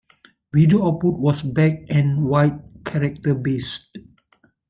Video output was black-and-white, character-based.